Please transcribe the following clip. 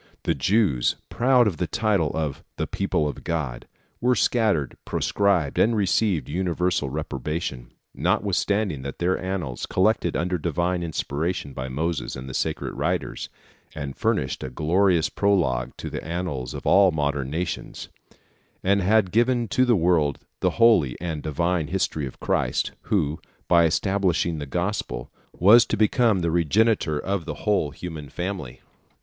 The Jews, proud of the title of "the People of God," were scattered, proscribed, and received universal reprobation (Fig. 357), notwithstanding that their annals, collected under divine inspiration by Moses and the sacred writers, had furnished a glorious prologue to the annals of all modern nations, and had given to the world the holy and divine history of Christ, who, by establishing the Gospel, was to become the regenerator of the whole human family.